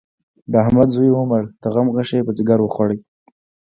د احمد زوی ومړ؛ د غم غشی يې پر ځيګر وخوړ.